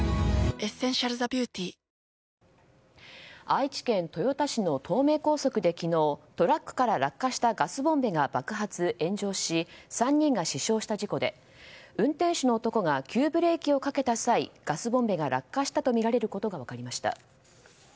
愛知県豊田市の東名高速で昨日トラックから落下したガスボンベが爆発・炎上し３人が死傷した事故で運転手の男が急ブレーキをかけた際ガスボンベが落下したとみられることが分かりました。